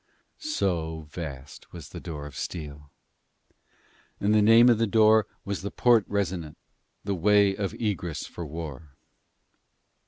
So vast was the door of steel. And the name of the door was The Porte Resonant, the Way of Egress for War.